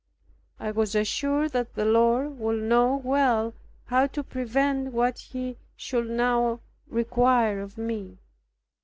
I was assured that the Lord would know well how to prevent what He should now require of me.